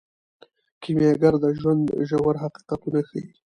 کیمیاګر د ژوند ژور حقیقتونه ښیي.